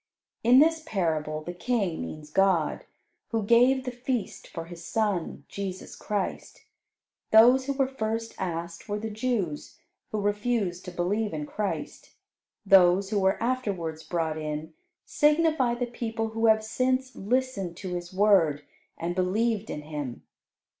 In this parable, the King means God, who gave the feast for His Son, Jesus Christ. Those who were first asked were the Jews, who refused to believe in Christ. Those who were afterwards brought in, signify the people who have since listened to His Word, and believed in Him.